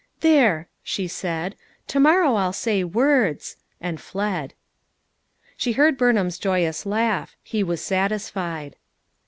"There," she said. "To morrow I'll say words/' and fled. She heard Burnham's joyous laugh; he was satisfied.